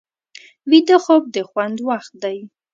ویده خوب د خوند وخت دی